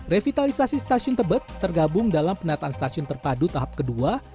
revitalisasi stasiun tebet tergabung dalam penataan stasiun terpadu tahap kedua